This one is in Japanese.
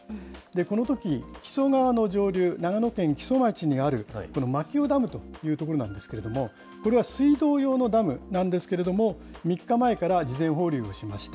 このとき、木曽川の上流、長野県木曽町にあるこの牧尾ダムというところなんですけれども、これは水道用のダムなんですけれども、３日前から事前放流をしました。